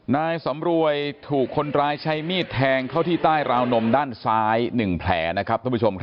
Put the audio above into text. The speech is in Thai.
นายสำรวยถูกคนร้ายใช้มีดแทงเข้าที่ใต้ราวนมด้านซ้าย๑แผลนะครับ